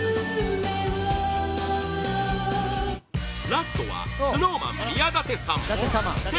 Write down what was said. ラストはＳｎｏｗＭａｎ宮舘さん